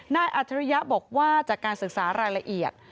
อัจฉริยะบอกว่าจากการศึกษารายละเอียด